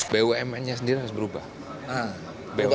bumn nya sendiri harus berubah